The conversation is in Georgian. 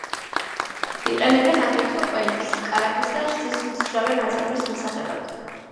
იყენებენ აგრეთვე ყველის, კარაქის და რძის მჟავე ნაწარმის მისაღებად.